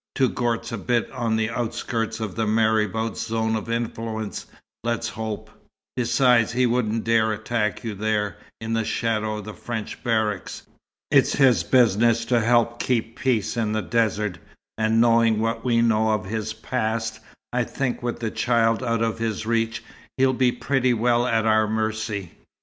Touggourt's a bit on the outskirts of the marabout's zone of influence, let's hope. Besides, he wouldn't dare attack you there, in the shadow of the French barracks. It's his business to help keep peace in the desert, and knowing what we know of his past, I think with the child out of his reach he'll be pretty well at our mercy."